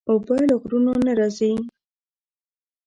اوبه له غرونو نه راځي.